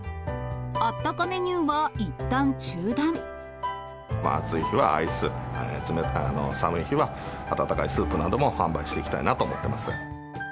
あったかメニューはいったん暑い日はアイス、寒い日は温かいスープなども販売していきたいなと思ってます。